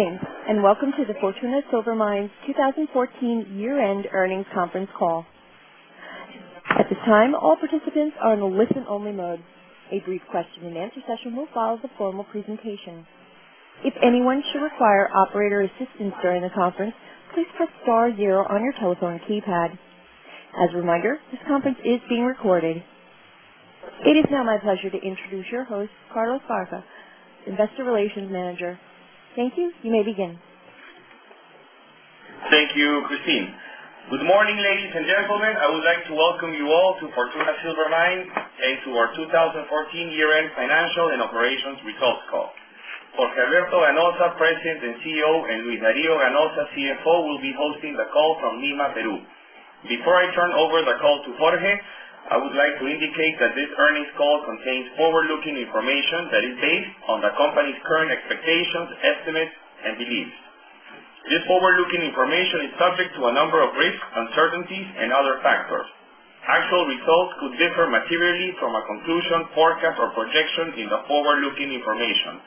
Good evening, and welcome to the Fortuna Silver Mines 2014 year-end earnings conference call. At this time, all participants are in a listen-only mode. A brief question-and-answer session will follow the formal presentation. If anyone should require operator assistance during the conference, please press star zero on your telephone keypad. As a reminder, this conference is being recorded. It is now my pleasure to introduce your host, Carlos Baca, Investor Relations Manager. Thank you. You may begin. Thank you, Christine. Good morning, ladies and gentlemen. I would like to welcome you all to Fortuna Silver Mines and to our 2014 year-end financial and operations results call. Jorge Alberto Ganoza, President and CEO, and Luis Dario Ganoza, CFO, will be hosting the call from Lima, Peru. Before I turn over the call to Jorge, I would like to indicate that this earnings call contains forward-looking information that is based on the company's current expectations, estimates, and beliefs. This forward-looking information is subject to a number of risks, uncertainties, and other factors. Actual results could differ materially from a conclusion, forecast, or projection in the forward-looking information.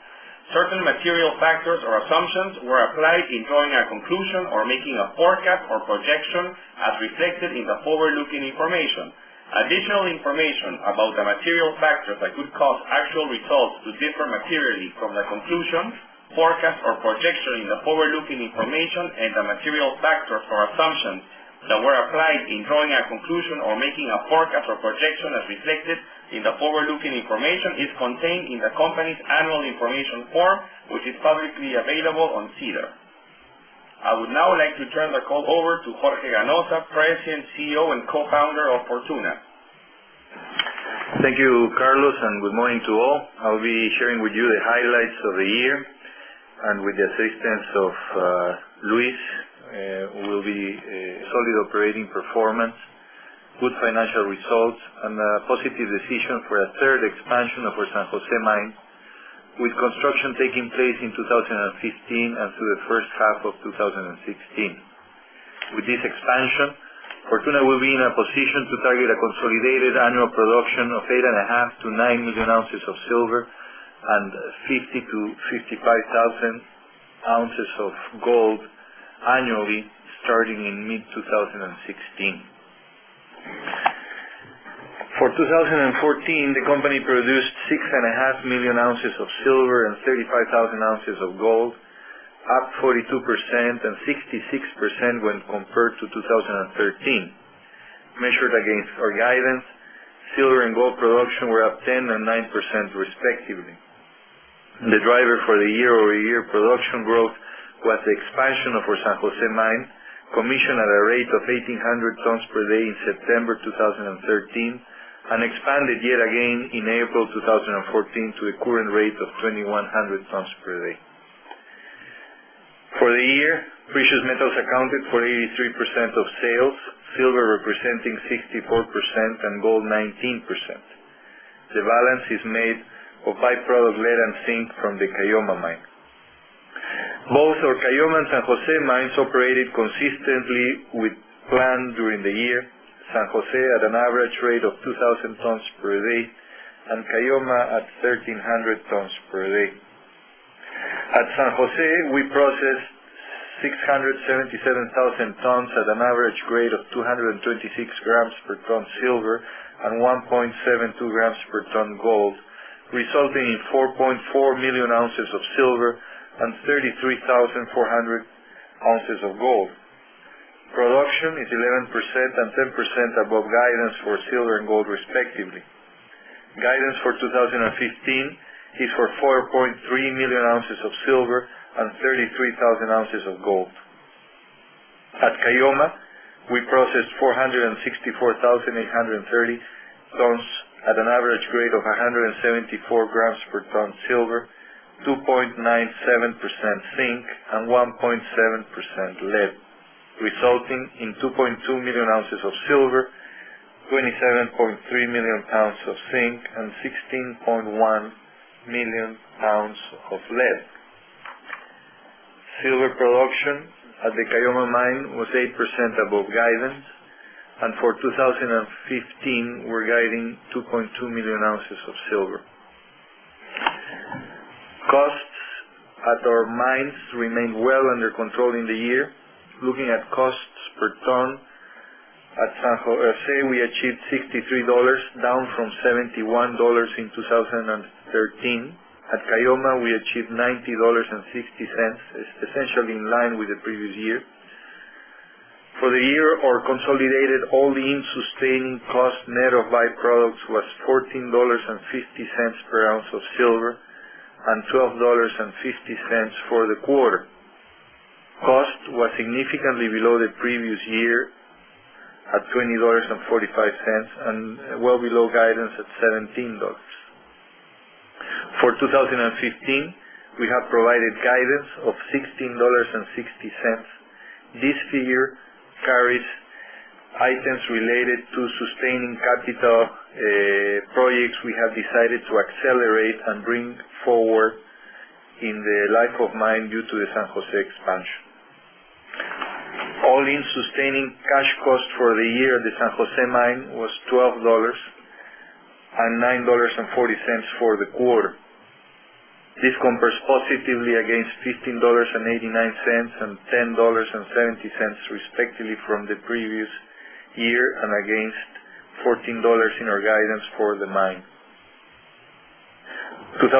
Certain material factors or assumptions were applied in drawing a conclusion or making a forecast or projection as reflected in the forward-looking information. Additional information about the material factors that could cause actual results to differ materially from the conclusions, forecast, or projection in the forward-looking information and the material factors or assumptions that were applied in drawing a conclusion or making a forecast or projection as reflected in the forward-looking information is contained in the company's Annual Information Form, which is publicly available on SEDAR. I would now like to turn the call over to Jorge Ganoza, President, CEO, and Co-founder of Fortuna. Thank you, Carlos, and good morning to all. I'll be sharing with you the highlights of the year and with the assistance of Luis, who will be showing operating performance, good financial results, and a positive decision for a third expansion of our San Jose mine, with construction taking place in 2015 and through the first half of 2016. With this expansion, Fortuna will be in a position to target a consolidated annual production of 8.5 million oz-9 million oz of silver and 50,000 oz-55,000 oz of gold annually starting in mid-2016. For 2014, the company produced 6.5 million oz of silver and 35,000 oz of gold, up 42% and 66% when compared to 2013. Measured against our guidance, silver and gold production were up 10% and 9% respectively. The driver for the year-over-year production growth was the expansion of our San Jose mine, commissioned at a rate of 1,800 tons per day in September 2013 and expanded yet again in April 2014 to a current rate of 2,100 tons per day. For the year, precious metals accounted for 83% of sales, silver representing 64% and gold 19%. The balance is made of by-product lead and zinc from the Caylloma mine. Both our Caylloma and San Jose mines operated consistently with plan during the year, San Jose at an average rate of 2,000 tons per day and Caylloma at 1,300 tons per day. At San Jose, we processed 677,000 tons at an average grade of 226 g per ton silver and 1.72 g per ton gold, resulting in 4.4 million oz of silver and 33,400 oz of gold. Production is 11% and 10% above guidance for silver and gold, respectively. Guidance for 2015 is for 4.3 million oz of silver and 33,000 oz of gold. At Caylloma, we processed 464,830 tons at an average grade of 174 g per ton silver, 2.97% zinc, and 1.7% lead, resulting in 2.2 million oz of silver, 27.3 million lbs of zinc, and 16.1 million lbs of lead. Silver production at the Caylloma mine was 8% above guidance, and for 2015, we're guiding 2.2 million oz of silver. Costs at our mines remained well under control in the year. Looking at costs per ton, at San Jose, we achieved $63, down from $71 in 2013. At Caylloma, we achieved $19.60, essentially in line with the previous year. For the year, our consolidated all-in sustaining cost net of by-products was $14.50 per ounce of silver and $12.50 for the quarter. Cost was significantly below the previous year at $20.45 and well below guidance at $17. For 2015, we have provided guidance of $16.60. This figure carries items related to sustaining capital projects we have decided to accelerate and bring forward in the life of mine due to the San Jose expansion. All-in sustaining cash cost for the year at the San Jose Mine was $12 and $9.40 for the quarter. This compares positively against $15.89 and $10.70 respectively from the previous year, and against $14 in our guidance for the mine. 2015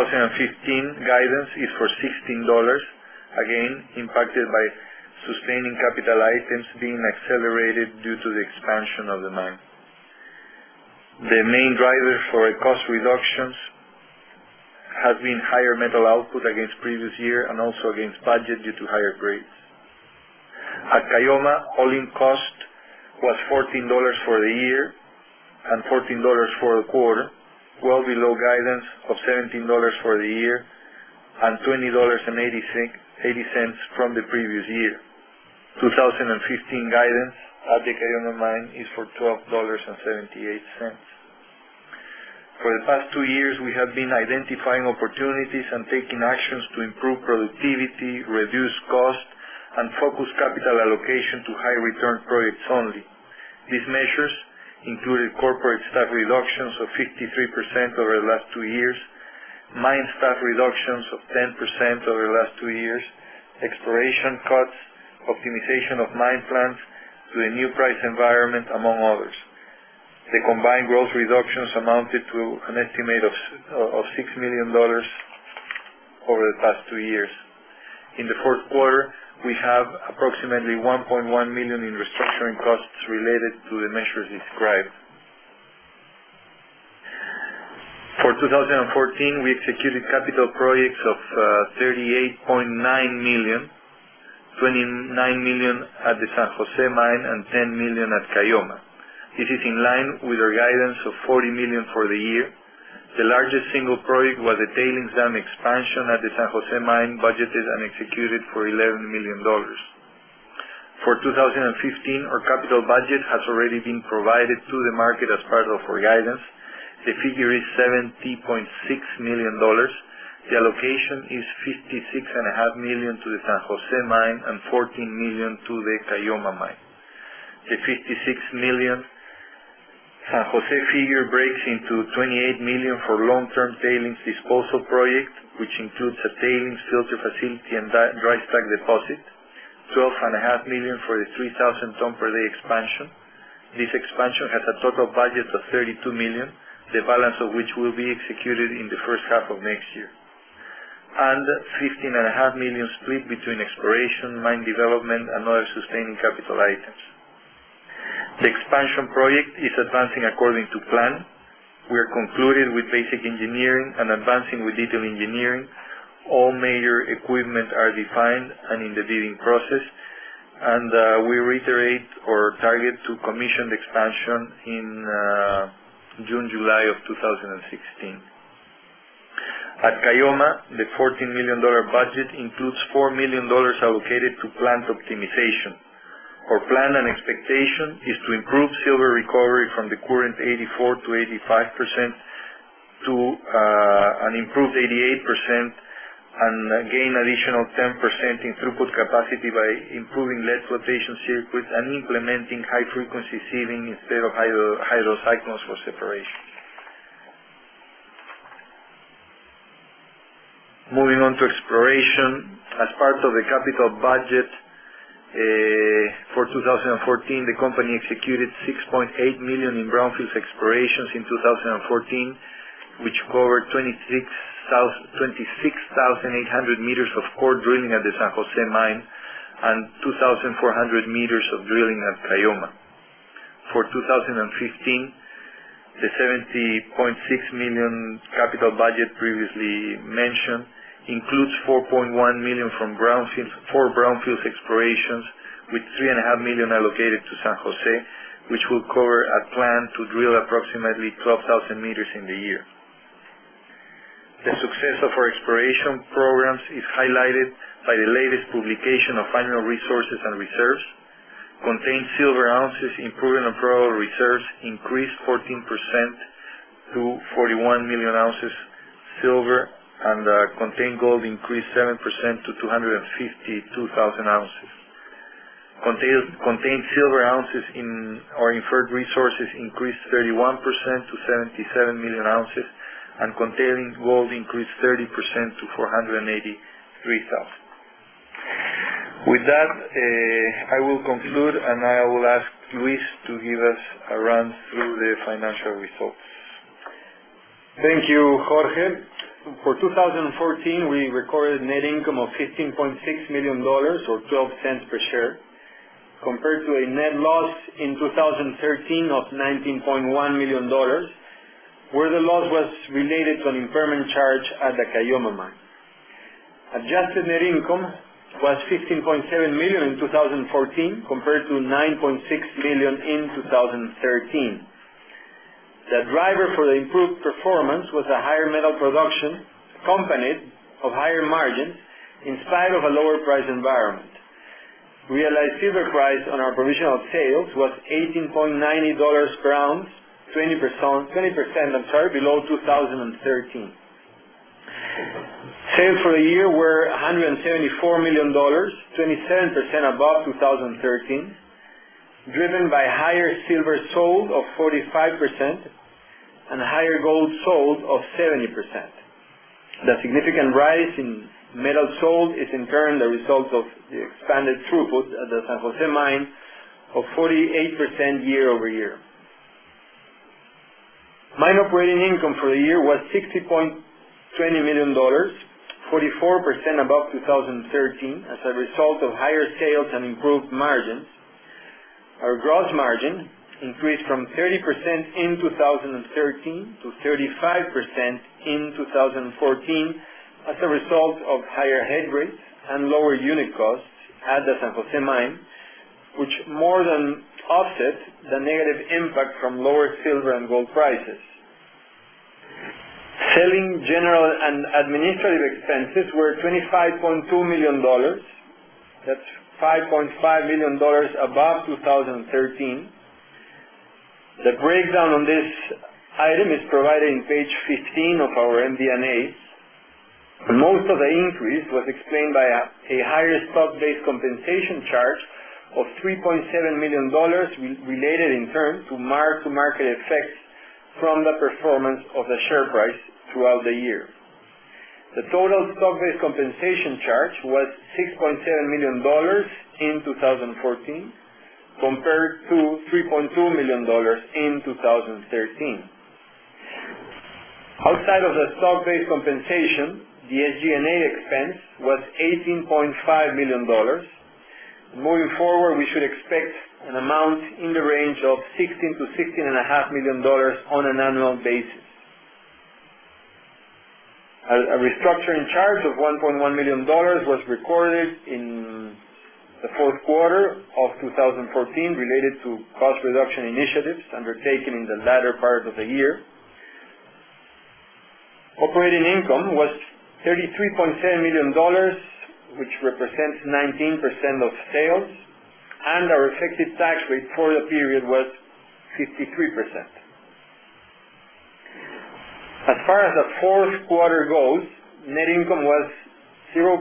guidance is for $16, again, impacted by sustaining capital items being accelerated due to the expansion of the mine. The main driver for our cost reductions has been higher metal output against the previous year and also against budget due to higher grades. At Caylloma, all-in cost was $14 for the year and $14 for the quarter, well below guidance of $17 for the year and $20.80 from the previous year. 2015 guidance at the Caylloma Mine is for $12.78. For the past two years, we have been identifying opportunities and taking actions to improve productivity, reduce costs, and focus capital allocation to high-return projects only. These measures included corporate staff reductions of 53% over the last two years, mine staff reductions of 10% over the last two years, exploration cuts, optimization of mine plans to a new price environment, among others. The combined gross reductions amounted to an estimate of $6 million over the past two years. In the fourth quarter, we have approximately $1.1 million in restructuring costs related to the measures described. For 2014, we executed capital projects of $38.9 million, $29 million at the San Jose Mine and $10 million at Caylloma. This is in line with our guidance of $40 million for the year. The largest single project was a tailings dam expansion at the San Jose Mine, budgeted and executed for $11 million. For 2015, our capital budget has already been provided to the market as part of our guidance. The figure is $70.6 million. The allocation is $56.5 million to the San Jose Mine and $14 million to the Caylloma Mine. The $56 million San Jose figure breaks into $28 million for long-term tailings disposal projects, which includes a tailings filter facility and dry stack deposit, $12.5 million for the 3,000 tons per day expansion. This expansion has a total budget of $32 million, the balance of which will be executed in the first half of next year. $15.5 million split between exploration, mine development, and other sustaining capital items. The expansion project is advancing according to plan. We are concluding with basic engineering and advancing with detail engineering. All major equipment are defined and in the bidding process, and we reiterate our target to commission the expansion in June, July of 2016. At Caylloma, the $14 million budget includes $4 million allocated to plant optimization. Our plan and expectation is to improve silver recovery from the current 84%-85%, to an improved 88%, and gain additional 10% in throughput capacity by improving lead flotation circuits and implementing high-frequency sieving instead of hydrocyclones for separation. Moving on to exploration. As part of the capital budget, for 2014, the company executed $6.8 million in brownfields explorations in 2014, which covered 26,800 m of core drilling at the San Jose Mine and 2,400 m of drilling at Caylloma. For 2015, the $70.6 million capital budget previously mentioned includes $4.1 million for brownfields explorations, with $3.5 million allocated to San Jose, which will cover a plan to drill approximately 12,000 m in the year. The success of our exploration programs is highlighted by the latest publication of annual resources and reserves. Contained silver ounces in proven and probable reserves increased 14% to 41 million oz silver and contained gold increased 7% to 252,000 oz. Contained silver ounces in our inferred resources increased 31% to 77 million oz and contained gold increased 30% to 483,000. With that, I will conclude, and I will ask Luis to give us a run through the financial results. Thank you, Jorge. For 2014, we recorded net income of $15.6 million or $0.12 per share, compared to a net loss in 2013 of $19.1 million, where the loss was related to an impairment charge at the Caylloma Mine. Adjusted net income was $15.7 million in 2014, compared to $9.6 million in 2013. The driver for the improved performance was a higher metal production accompanied by higher margins in spite of a lower price environment. Realized silver price on our provisional sales was $18.90 per ounce, 20% below 2013. Sales for the year were $174 million, 27% above 2013, driven by higher silver sold of 45% and higher gold sold of 70%. The significant rise in metal sold is, in turn, the result of the expanded throughput at the San Jose Mine of 48% year-over-year. Mine operating income for the year was $60.20 million, 44% above 2013 as a result of higher sales and improved margins. Our gross margin increased from 30% in 2013 to 35% in 2014 as a result of higher head grades and lower unit costs at the San Jose Mine, which more than offset the negative impact from lower silver and gold prices. Selling, general, and administrative expenses were $25.2 million. That's $5.5 million above 2013. The breakdown on this item is provided on page 15 of our MD&A. Most of the increase was explained by a higher stock-based compensation charge of $3.7 million, related in turn to mark-to-market effects from the performance of the share price throughout the year. The total stock-based compensation charge was $6.7 million in 2014 compared to $3.2 million in 2013. Outside of the stock-based compensation, the SG&A expense was $18.5 million. Moving forward, we should expect an amount in the range of $16-$16.5 million on an annual basis. A restructuring charge of $1.1 million was recorded in the fourth quarter of 2014 related to cost reduction initiatives undertaken in the latter part of the year. Operating income was $33.7 million, which represents 19% of sales, and our effective tax rate for the period was 53%. As far as the fourth quarter goes, net income was $0.1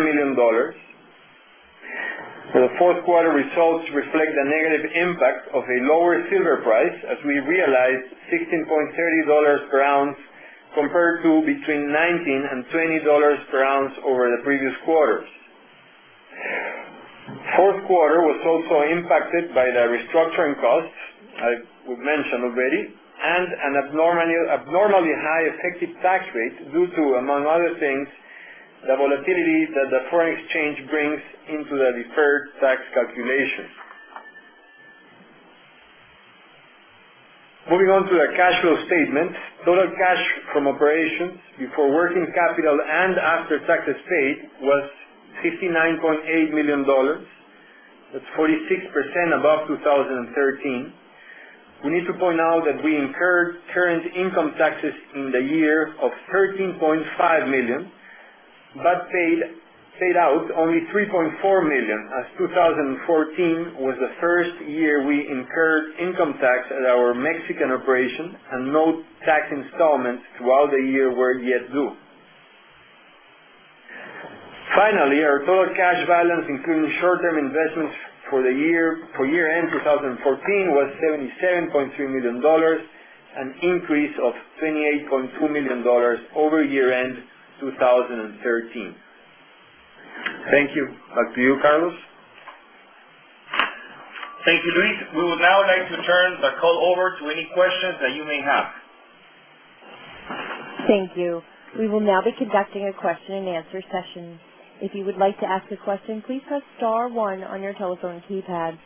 million. The fourth quarter results reflect the negative impact of a lower silver price as we realized $16.30 per ounce, compared to between $19 and $20 per ounce over the previous quarters. Fourth quarter was also impacted by the restructuring costs, I mentioned already, and an abnormally high effective tax rate due to, among other things, the volatility that the foreign exchange brings into the deferred tax calculation. Moving on to the cash flow statement, total cash from operations before working capital and after taxes paid was $59.8 million. That's 46% above 2013. We need to point out that we incurred current income taxes in the year of $13.5 million, but paid out only $3.4 million, as 2014 was the first year we incurred income tax at our Mexican operation and no tax installments throughout the year were yet due. Finally, our total cash balance, including short-term investments for year-end 2014, was $77.2 million, an increase of $28.2 million over year-end 2013. Thank you. Back to you, Carlos. Thank you, Luis. We would now like to turn the call over to any questions that you may have. Thank you. We will now be conducting a question-and-answer session. If you would like to ask a question, please press star one on your telephone keypad.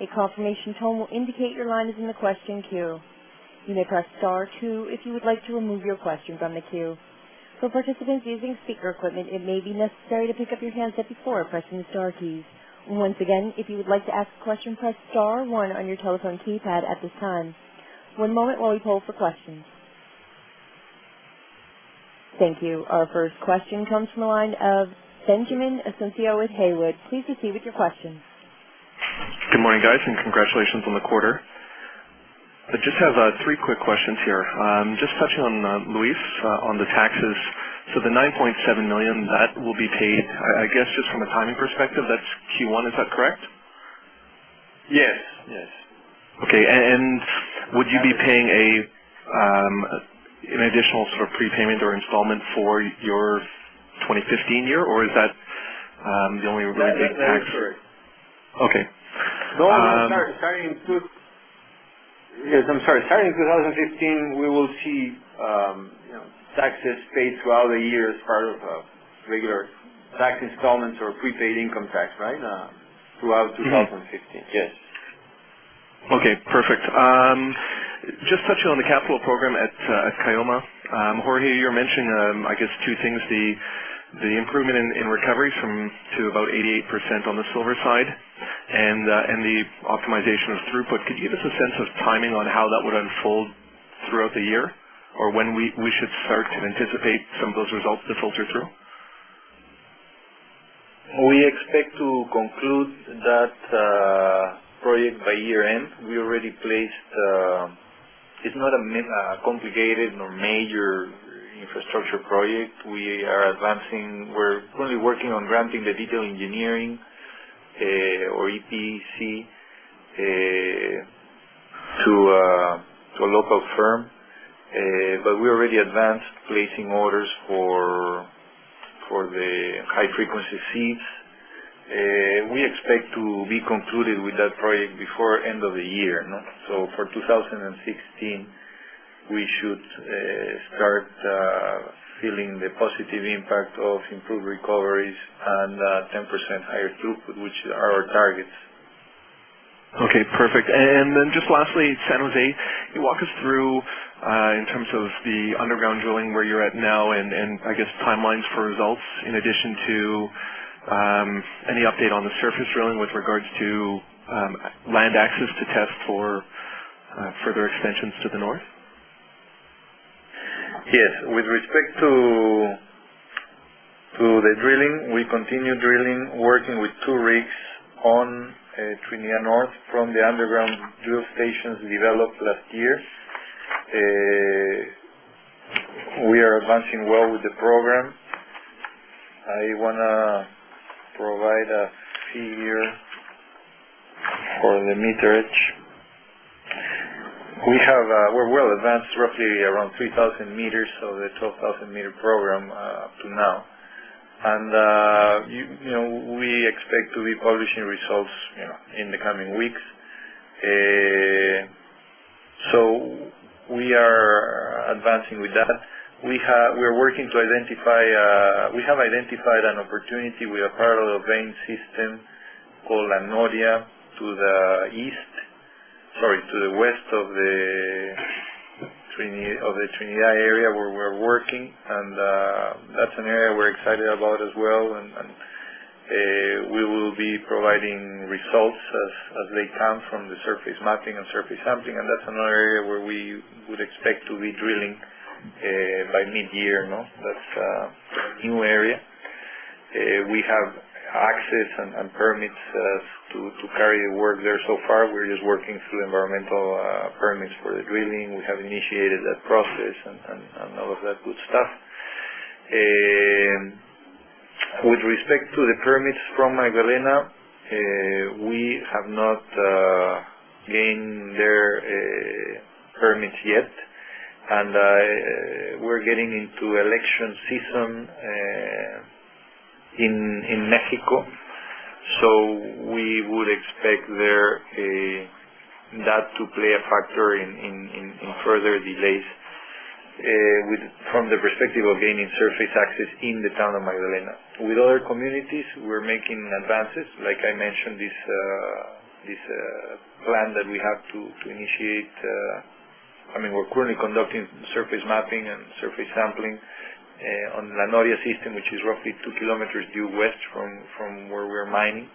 A confirmation tone will indicate your line is in the question queue. You may press star two if you would like to remove your question from the queue. For participants using speaker equipment, it may be necessary to pick up your handset before pressing the star keys. Once again, if you would like to ask a question, press star one on your telephone keypad at this time. One moment while we poll for questions. Thank you. Our first question comes from the line of Benjamin Asuncion with Haywood. Please proceed with your question. Good morning, guys, and congratulations on the quarter. I just have three quick questions here. Just touching on, Luis, on the taxes. The $9.7 million, that will be paid, I guess, just from a timing perspective, that's Q1. Is that correct? Yes. Okay. Would you be paying an additional sort of prepayment or installment for your 2015 year, or is that the only related tax? That is correct. Okay. Starting in 2015, we will see taxes paid throughout the year as part of regular tax installments or prepaid income tax, right, throughout 2015. Yes. Okay, perfect. Just touching on the capital program at Caylloma. Jorge, you're mentioning, I guess two things, the improvement in recovery to about 88% on the silver side and the optimization of throughput. Could you give us a sense of timing on how that would unfold throughout the year or when we should start to anticipate some of those results to filter through? We expect to conclude that project by year-end. It's not a complicated nor major infrastructure project. We're currently working on granting the detailed engineering or EPC to a local firm. We already advanced placing orders for the high-frequency screens. We expect to be concluded with that project before end of the year. For 2016, we should start feeling the positive impact of improved recoveries and 10% higher throughput, which are our targets. Okay, perfect. Just lastly, San José. Can you walk us through, in terms of the underground drilling, where you're at now and, I guess, timelines for results, in addition to any update on the surface drilling with regards to land access to test for further extensions to the north? Yes. With respect to the drilling, we continue drilling, working with two rigs on Trinidad North from the underground drill stations developed last year. We are advancing well with the program. I want to provide a figure for the meterage. We're well advanced, roughly around 3,000 m of the 12,000-m program up to now. We expect to be publishing results in the coming weeks. We are advancing with that. We have identified an opportunity with a parallel vein system called La Noria to the west of the Trinidad area where we're working. That's an area we're excited about as well. We will be providing results as they come from the surface mapping and surface sampling. That's another area where we would expect to be drilling by mid-year. That's a new area. We have access and permits to carry work there. So far, we're just working through environmental permits for the drilling. We have initiated that process and all of that good stuff. With respect to the permits from Magdalena, we have not gained their permits yet. We're getting into election season in Mexico. We would expect that to play a factor in further delays from the perspective of gaining surface access in the town of Magdalena. With other communities, we're making advances. Like I mentioned, we're currently conducting surface mapping and surface sampling on La Noria system, which is roughly 2 km due west from where we're mining.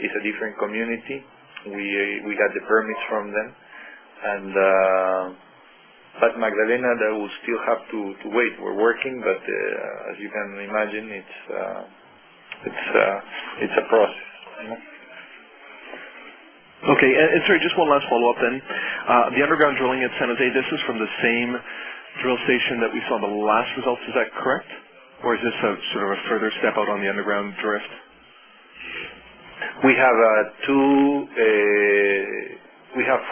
It's a different community. We got the permits from them. Magdalena, that will still have to wait. We're working, but as you can imagine, it's a process. Okay. Sorry, just one last follow-up then. The underground drilling at San Jose, this is from the same drill station that we saw in the last results. Is that correct? Or is this a sort of a further step out on the underground drift? We have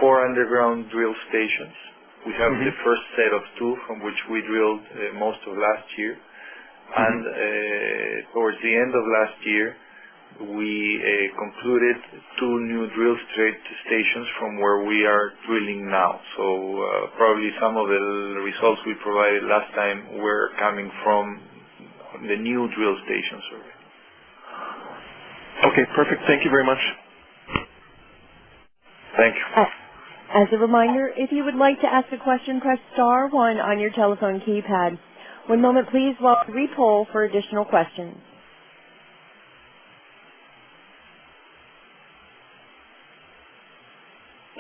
four underground drill stations. Mm-hmm. We have the first set of two from which we drilled most of last year. Mm-hmm. Towards the end of last year, we concluded two new drill stations from where we are drilling now. Probably some of the results we provided last time were coming from the new drill stations. Okay, perfect. Thank you very much. Thank you. As a reminder, if you would like to ask a question, press star one on your telephone keypad. One moment please while we poll for additional questions.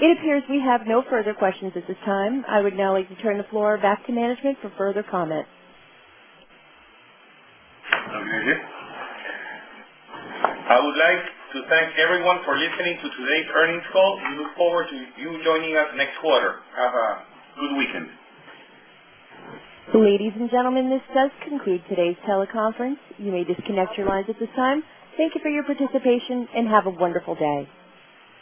It appears we have no further questions at this time. I would now like to turn the floor back to management for further comments. I would like to thank everyone for listening to today's earnings call. We look forward to you joining us next quarter. Have a good weekend. Ladies and gentlemen, this does conclude today's teleconference. You may disconnect your lines at this time. Thank you for your participation, and have a wonderful day.